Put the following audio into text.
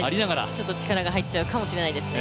ちょっと力が入っちゃうかもしれませんね。